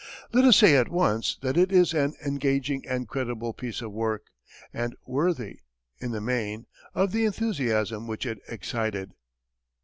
Let us say at once that it is an engaging and creditable piece of work, and worthy, in the main, of the enthusiasm which it excited.